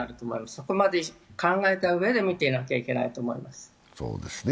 そこまで考えたうえで見ていなくてはいけないと思います。